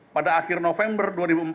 pada akhir november dua ribu empat belas